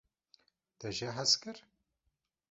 Te jê hez kir?